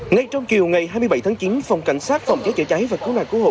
ngay trong chiều ngày hai mươi bảy tháng chín phòng cảnh sát phòng cháy chữa cháy và cứu nạn cứu hộ